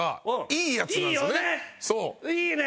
いいよね！